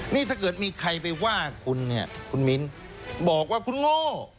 นี่ถ้าเกิดมีใครไปว่าคุณเนี่ยคุณมิ้นบอกว่าคุณโง่